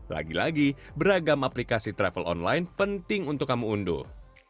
lagi lagi beragam aplikasi travel online penting untuk kamu unduh